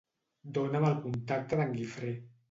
Dona'm el contacte d'en Guifré.